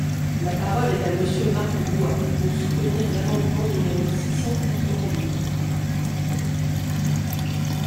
La parole est à Monsieur Marc Goua, pour soutenir l’amendement numéro six cent quatre-vingt-douze.